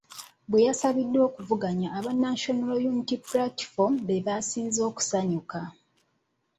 Bwe yasembeddwa okuvuganya aba National Unity Platform baasinze okusanyuka .